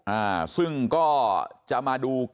อ่าซึ่งก็จะมาดู